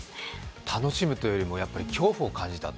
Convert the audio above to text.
楽しむというよりも恐怖を感じた